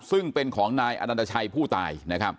ซึ่งเป็นของนายอดันดาชัยผู้ตายนะครับ